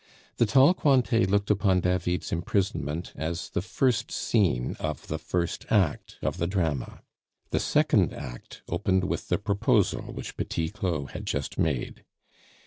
The tall Cointet looked upon David's imprisonment as the first scene of the first act of the drama. The second act opened with the proposal which Petit Claud had just made.